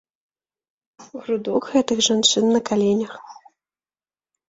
Грудок гэтых жанчын на каленях.